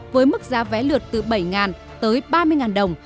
với mức giá vé lượt từ bảy tới ba mươi đồng